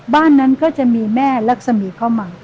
บ้านนั้นก็จะมีแม่รักษมีเข้ามา